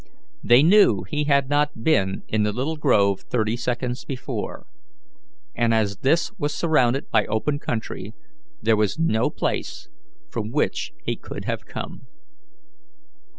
They knew he had not been in the little grove thirty seconds before, and as this was surrounded by open country there was no place from which he could have come.